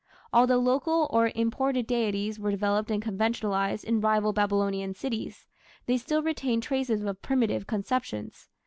Although local or imported deities were developed and conventionalized in rival Babylonian cities, they still retained traces of primitive conceptions.